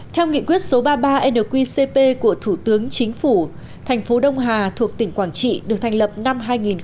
theo nghị quyết số ba mươi ba nqcp của thủ tướng chính phủ thành phố đông hà thuộc tỉnh quảng trị được thành lập năm hai nghìn một mươi